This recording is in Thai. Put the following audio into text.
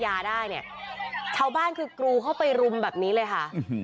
ยาได้เนี่ยชาวบ้านคือกรูเข้าไปรุมแบบนี้เลยค่ะ